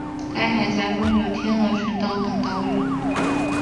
该海峡中有天鹅群岛等岛屿。